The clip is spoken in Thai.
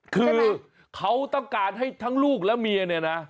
คือเขาต้องการให้ทั้งลูกและเมีย